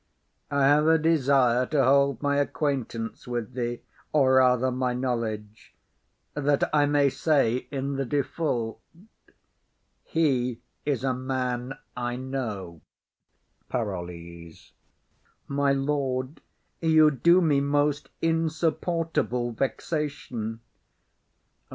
I have a desire to hold my acquaintance with thee, or rather my knowledge, that I may say in the default, "He is a man I know." PAROLLES. My lord, you do me most insupportable vexation.